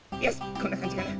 こんなかんじかな？